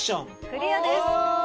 クリアです。